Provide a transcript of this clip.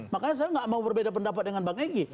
makanya saya nggak mau berbeda pendapat dengan bang egy